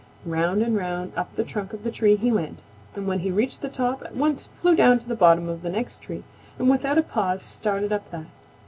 Round and round up the trunk of the tree he went, and when he reached the top at once flew down to the bottom of the next tree and without a pause started up that.